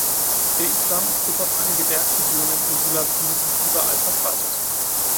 Der Islam ist bis auf einige Bergregionen in Sulawesi überall verbreitet.